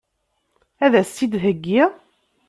Ad as-tt-id-theggi?